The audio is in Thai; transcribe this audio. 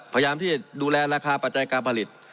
พยายามที่จะดูแลราคาปัจจัยการผลิต